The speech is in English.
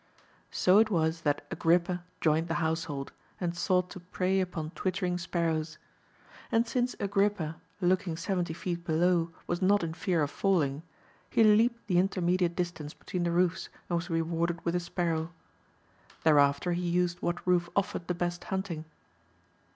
So it was that Agrippa joined the household and sought to prey upon twittering sparrows. And since Agrippa looking seventy feet below was not in fear of falling, he leaped the intermediate distance between the roofs and was rewarded with a sparrow. Thereafter he used what roof offered the best hunting.